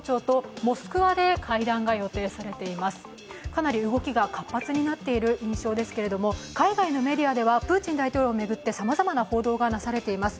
かなり動きが活発になっている印象ですけども海外のメディアでは、プーチン大統領を巡ってさまざまな報道がなされています。